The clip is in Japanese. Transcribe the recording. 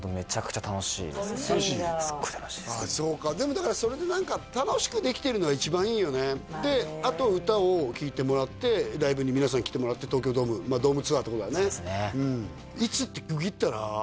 すっごい楽しいですそうかでもだからそれで楽しくできてるのが一番いいよねであと歌を聴いてもらってライブに皆さん来てもらって東京ドームドームツアーってことだよね